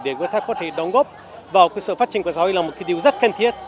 để người ta có thể đóng góp vào sự phát triển của xã hội là một điều rất khen thiết